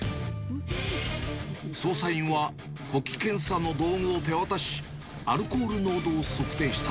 捜査員は、呼気検査の道具を手渡し、アルコール濃度を測定した。